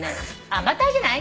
あんバターじゃない？